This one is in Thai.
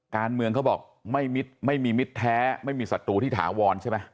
การเมืองเขาบอกไม่มิดไม่มีมิตรแท้ไม่มีศัตรูที่ถาวรใช่ไหม